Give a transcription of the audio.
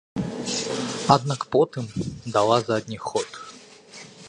Аднак потым дала задні ход.